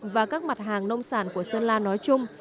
và các mặt hàng nông sản của sơn la nói chung